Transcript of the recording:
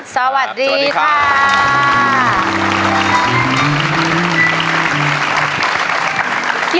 สวัสดีค่ะสวัสดีครับ